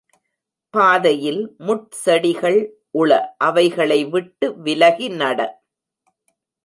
பாதையில் முட்செடிகள் உள அவைகளை விட்டு விலகி நட.